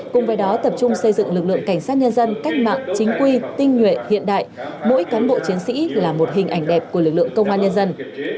cùng với đó tập trung xây dựng lực lượng cảnh sát nhân dân cách mạng chính quy tinh nhuệ hiện đại mỗi cán bộ chiến sĩ là một hình ảnh đẹp của lực lượng công an nhân dân